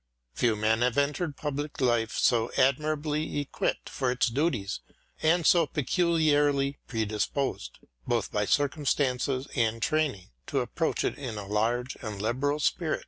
Few men have entered public life so admirably equipped for its duties and so peculiarly predisposedj both by circumstances and training, to approach it in a large and liberal spirit.